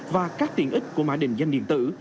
và các tiện ích của mã định danh điện tử